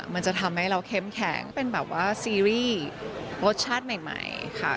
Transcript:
มันจะทำให้เราเข้มแข็งเป็นแบบว่าซีรีส์รสชาติใหม่ค่ะ